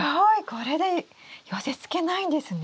これで寄せつけないんですね？